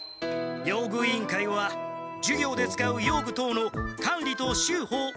用具委員会は授業で使う用具等のかんりとしゅうほを行う。